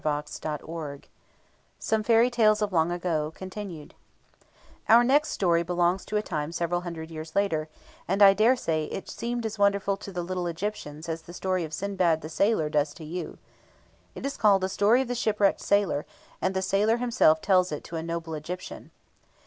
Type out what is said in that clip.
CHAPTER VIII SOME FAIRY TALES OF LONG AGO (Continued) Our next story belongs to a time several hundred years later, and I dare say it seemed as wonderful to the little Egyptians as the story of Sindbad the Sailor does to you. It is called "The Story of the Shipwrecked Sailor," and the sailor himself tells it to a noble Egyptian.